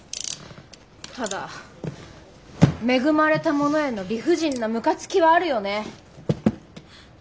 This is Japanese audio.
ただ恵まれた者への理不尽なムカつきはあるよね。